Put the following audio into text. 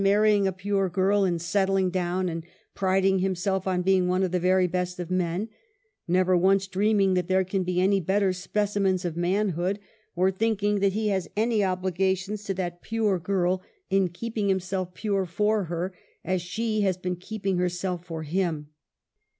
marrying a pure girl and settling down, and prid Hng himself on being one of the very best of men, never once dreaming that there can be any better •specimens of manhood, or thinking that he has any obligations to that pure girl, in keeping himself pure for her, as she has been keeping herself for him.